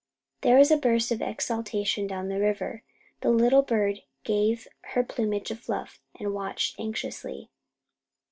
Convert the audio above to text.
There was a burst of exultation down the river. The little bird gave her plumage a fluff, and watched anxiously.